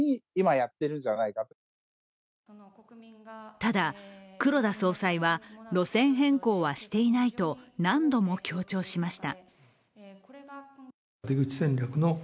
ただ、黒田総裁は路線変更はしていないと何度も強調しました。